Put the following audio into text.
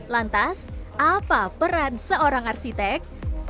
lantas apa peran seorang arsitek